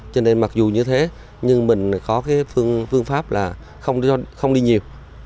cho nên mặc dù như thế nhưng mình có cái phương pháp là không đi nhiều